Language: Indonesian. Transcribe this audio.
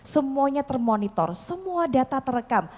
semuanya termonitor semua data terekam